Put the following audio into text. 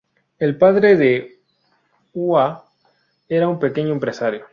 El padre de Hua era un pequeño empresario.